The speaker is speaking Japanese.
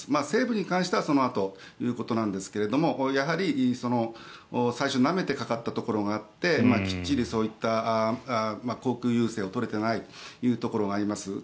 西部に関してはそのあとということですがやはり最初なめてかかったところがあってきっちりそういった航空優勢を取れていないところがあります。